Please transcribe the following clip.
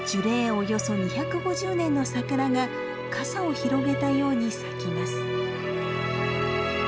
およそ２５０年のサクラが傘を広げたように咲きます。